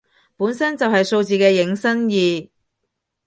本身就係數字嘅引申義